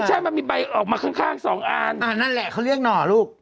ใช่มันมีใบออกมาข้างสองอันนั่นแหละเขาเรียกหน่อลูก